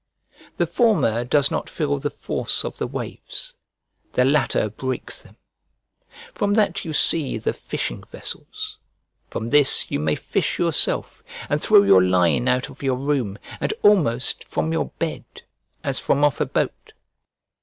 The former does not feel the force of the waves; the latter breaks them; from that you see the fishing vessels; from this you may fish yourself, and throw your line out of your room, and almost from your bed, as from off a boat.